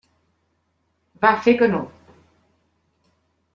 Va fer que no.